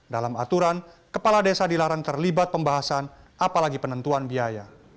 dalam aturan kepala desa dilarang terlibat pembahasan apalagi penentuan biaya